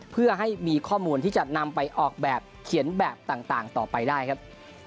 เพื่อให้มีข้อมูลที่จะนำไปออกแบบเขียนแบบต่างต่อไปได้ครับ